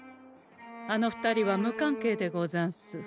あの２人は無関係でござんす。